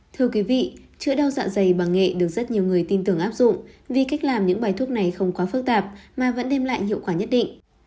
thưa quý vị chữa đau dạ dày bằng nghệ được rất nhiều người tin tưởng áp dụng vì cách làm những bài thuốc này không quá phức tạp mà vẫn đem lại hiệu quả nhất định